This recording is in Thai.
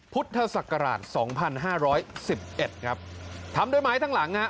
พุทธศักราชสองพันห้าร้อยสิบเอ็ดครับทำด้วยไม้ทั้งหลังฮะ